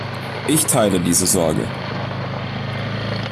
Ich teile diese Sorge.